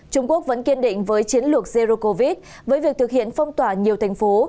trung quốc vẫn kiên định với chiến lược zero covid với việc thực hiện phong tỏa nhiều thành phố